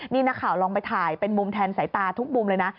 นี่นักข่าวลองไปถ่ายเป็นมุมแทนสายตาทุกมุมเลยนะ